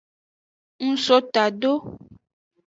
Ng so tado.